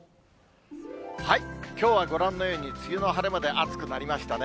きょうはご覧のように、梅雨の晴れ間で暑くなりましたね。